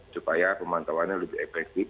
supaya pemantauannya lebih efektif